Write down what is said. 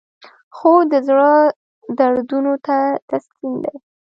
خوب د زړه دردونو ته تسکین دی